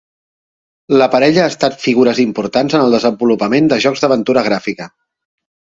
La parella ha estat figures importants en el desenvolupament dels jocs d'aventura gràfica.